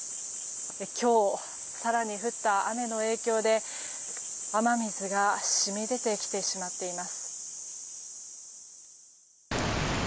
今日、更に降った雨の影響で雨水が染み出てきてしまっています。